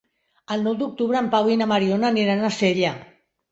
El nou d'octubre en Pau i na Mariona aniran a Sella.